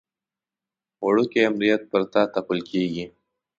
وړوکی امریت پر تا تپل کېږي.